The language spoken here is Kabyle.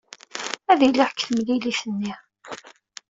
Ad iliɣ deg temlilit-nni.